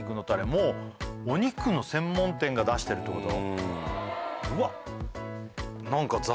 もうお肉の専門店が出してるってこと？